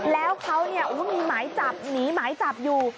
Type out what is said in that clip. แล้วเขามีหมายจับหนีหมายจับอยู่